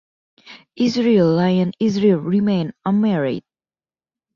Israel Lion Israel remained unmarried.